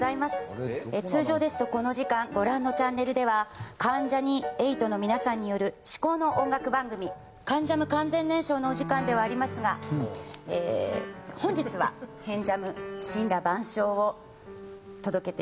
通常ですとこの時間ご覧のチャンネルでは関ジャニ∞の皆さんによる至高の音楽番組『関ジャム完全燃ＳＨＯＷ』のお時間ではありますが本日は「変ジャム森羅万ＳＨＯＷ」を届けて。